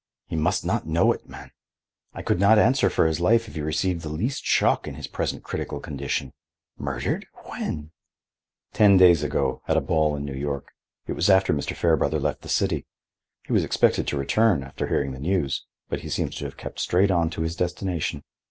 "He must not know it, man. I could not answer for his life if he received the least shock in his present critical condition. Murdered? When?" "Ten days ago, at a ball in New York. It was after Mr. Fairbrother left the city. He was expected to return, after hearing the news, but he seems to have kept straight on to his destination.